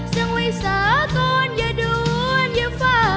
จังไว้สาหกรอย่ะด่วนอย่าเฝ้า